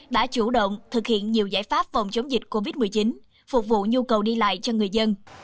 đã chủ động thực hiện nhiều giải pháp phòng chống dịch covid một mươi chín phục vụ nhu cầu đi lại cho người dân